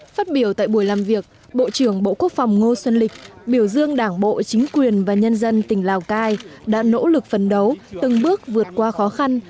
phát biểu tại buổi làm việc bộ trưởng bộ quốc phòng ngô xuân lịch biểu dương đảng bộ chính quyền và nhân dân tỉnh lào cai đã nỗ lực phấn đấu từng bước vượt qua khó khăn